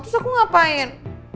lalu aku ngapain